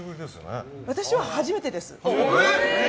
私は初めてです。